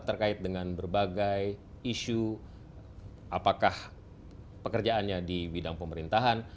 terkait dengan berbagai isu apakah pekerjaannya di bidang pemerintahan